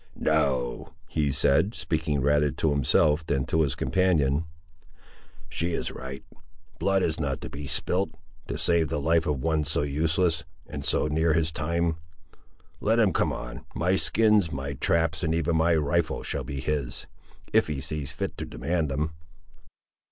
"No," he said, speaking rather to himself, than to his companion, "she is right; blood is not to be spilt, to save the life of one so useless, and so near his time. Let him come on; my skins, my traps, and even my rifle shall be his, if he sees fit to demand them."